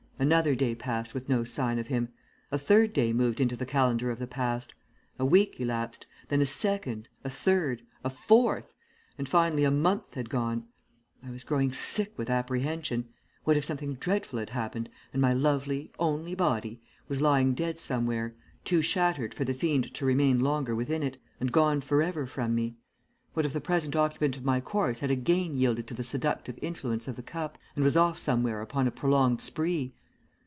Another day passed with no sign of him. A third day moved into the calendar of the past; a week elapsed, then a second, a third, a fourth, and finally a month had gone. I was growing sick with apprehension. What if something dreadful had happened and my lovely, only body was lying dead somewhere, too shattered for the fiend to remain longer within it, and gone for ever from me? What if the present occupant of my corse had again yielded to the seductive influence of the cup, and was off somewhere upon a prolonged spree?